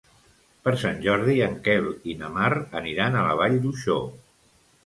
Per Sant Jordi en Quel i na Mar aniran a la Vall d'Uixó.